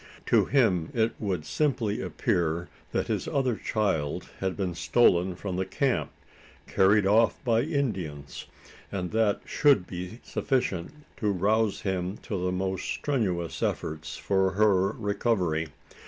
To him it would simply appear that his other child had been stolen from the camp carried off by Indians and that should be sufficient to rouse him to the most strenuous efforts for her recovery.